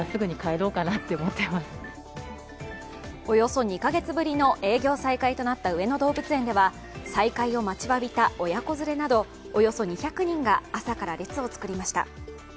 およそ２カ月ぶりの営業再開となった上野動物園では再開を待ちわびた親子連れなどおよそ２００人が朝から列を作りました。